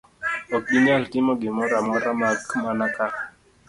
Ok ginyal timo gimoro amora mak mana ka